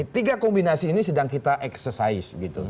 tiga kombinasi ini sedang kita eksersis